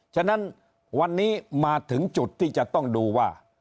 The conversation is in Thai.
ฉะนั้นวันนี้มาถึงจุดที่จะต้องดูว่า